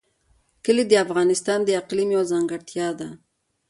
کلي د افغانستان د اقلیم یوه ځانګړتیا ده.